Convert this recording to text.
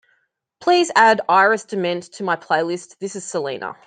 Please add Iris DeMent to my playlist this is selena